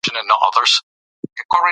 عدالت ټولنه منسجمه او پیاوړې کوي.